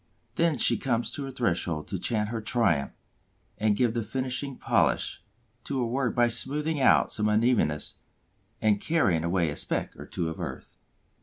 Then she comes to her threshold to chant her triumph and give the finishing polish to her work by smoothing out some unevenness and carrying away a speck or two of earth.